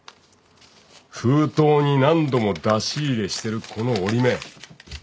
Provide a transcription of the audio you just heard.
封筒に何度も出し入れしてるこの折り目。